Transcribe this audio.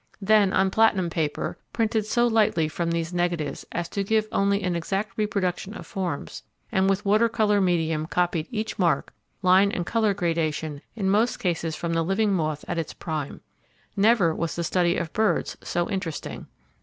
Then on platinum paper, printed so lightly from these negatives as to give only an exact reproduction of forms, and with water colour medium copied each mark, line and colour gradation in most cases from the living moth at its prime. Never was the study of birds so interesting.